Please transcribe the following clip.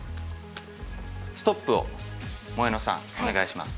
ストップを萌乃さんお願いします。